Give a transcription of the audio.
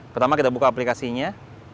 pertama kita buka aplikasinya